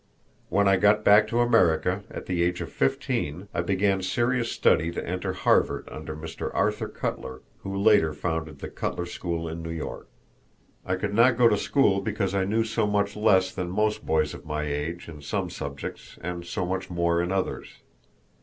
When I got back to America, at the age of fifteen, I began serious study to enter Harvard under Mr. Arthur Cutler, who later founded the Cutler School in New York. I could not go to school because I knew so much less than most boys of my age in some subjects and so much more in others.